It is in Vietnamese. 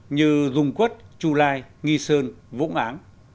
như dùng quất chu lai nghi sơn vũng áng